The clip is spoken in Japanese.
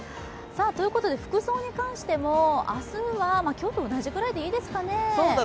服装に関しても明日は今日と同じぐらいでいいですかね。